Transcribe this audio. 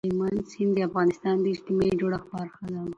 هلمند سیند د افغانستان د اجتماعي جوړښت برخه ده.